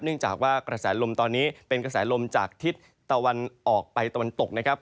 จากว่ากระแสลมตอนนี้เป็นกระแสลมจากทิศตะวันออกไปตะวันตกนะครับ